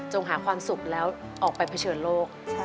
หาความสุขแล้วออกไปเผชิญโลก